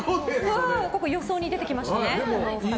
ここ、予想に出てきましたね。